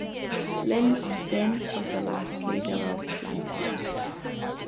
Lin Ah Sin was the last leader of Lanfang.